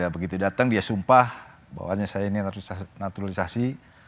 begitu datang dia sumpah bahwanya saya ini harus naturalisasi